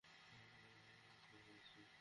তো, আমি এখন চলে যাচ্ছি।